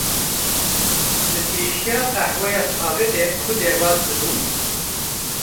Li pêşiya qehweya taxê de ku derbas dibûm